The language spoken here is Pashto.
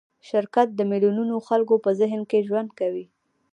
شرکت د میلیونونو خلکو په ذهن کې ژوند کوي.